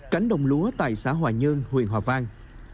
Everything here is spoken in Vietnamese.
cánh đồng lúa tại xã hòa nhơn huyện hòa vang